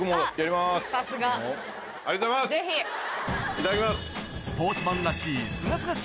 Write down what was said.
いただきます。